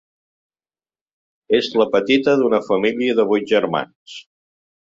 És la petita d'una família de vuit germans.